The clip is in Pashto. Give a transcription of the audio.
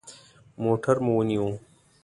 موټر مو ونیوه.